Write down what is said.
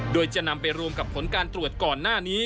โดยจะนำไปรวมกับผลการตรวจก่อนหน้านี้